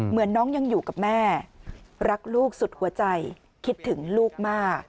เหมือนน้องยังอยู่กับแม่รักลูกสุดหัวใจคิดถึงลูกมาก